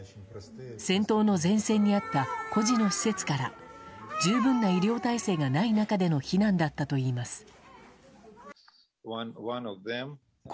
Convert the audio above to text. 戦闘の前線にあった孤児の施設から十分な医療体制がない中での避難だったといいます。